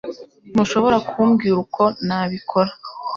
Ntushobora kumbwira uko nabikora